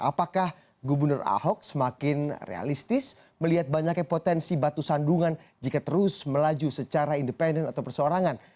apakah gubernur ahok semakin realistis melihat banyaknya potensi batu sandungan jika terus melaju secara independen atau persorangan